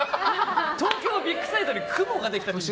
東京ビッグサイトに雲ができたっていう。